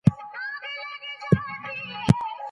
موږ باید د تاریخ په وړاندې رښتیني واوسو.